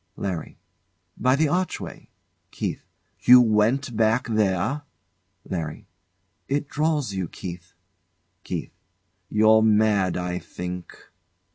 LARRY. By the archway. KEITH. You went back there? LARRY. It draws you, Keith. KErra. You're mad, I think.